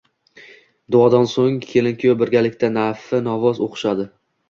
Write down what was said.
Duodan so‘ng kelin-kuyov birgalikda nafl namoz o‘qishadi.